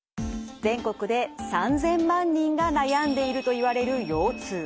全国で３，０００万人が悩んでいるといわれる腰痛。